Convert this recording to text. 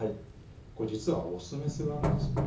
これ実はオス・メスがあるんですよね